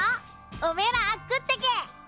おめえら食ってけ。